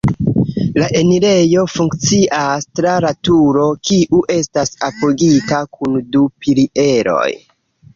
La enirejo funkcias tra la turo, kiu estas apogita kun du pilieroj.